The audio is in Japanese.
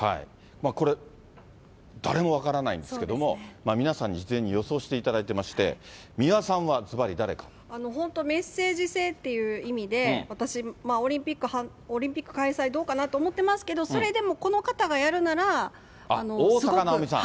これ、誰も分からないんですけども、皆さんに事前に予想していただいておりまして、本当、メッセージ性っていう意味で、私、オリンピック開催どうかなと思ってますけど、それでも、この方がやるなら、すごく。